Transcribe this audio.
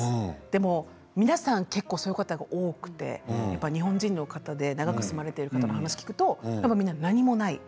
でも皆さん結構そういう方が多くて、日本人の方で長く住まれている方の話を聞くと皆さん、何もない。